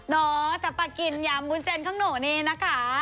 น้องแต่ปากินยำบุญเซ็นข้างหนูนี้นะคะ